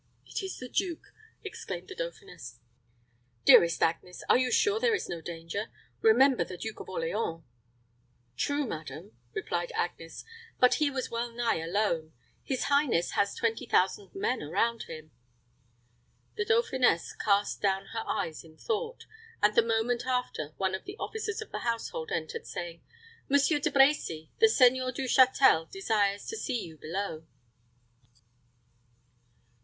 "It is the duke," exclaimed the dauphiness. "Dearest Agnes, are you sure there is no danger? Remember the Duke of Orleans." "True, madam," replied Agnes; "but he was well nigh alone. His highness has twenty thousand men around him." The dauphiness cast down her eyes in thought, and the moment after one of the officers of the household entered, saying, "Monsieur De Brecy, the Seigneur du Châtel desires to see you below."